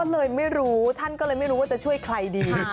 ก็เลยไม่รู้ท่านก็เลยไม่รู้ว่าจะช่วยใครดี